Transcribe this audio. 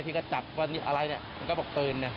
ที่ก็จับว่าอะไรเนี่ยมันก็บอกปืนเนี่ย